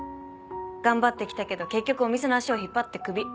頑張って来たけど結局お店の足を引っ張ってクビ。